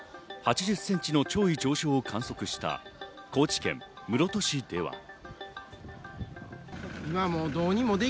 ８０センチの潮位上昇を観測した高知県室戸市では。